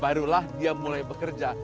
barulah dia mulai bekerja